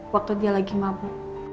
waktu dia lagi mabuk